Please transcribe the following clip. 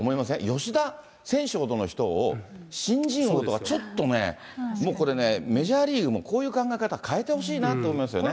吉田選手ほどの人を新人王とか、ちょっとね、もうこれね、メジャーリーグもこういう考え方変えてほしいなと思いますよね。